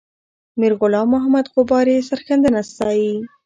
میرغلام محمد غبار یې سرښندنه ستایي.